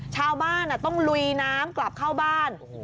ชาวบ้านต้องลุยน้ำกลับเข้าบ้าน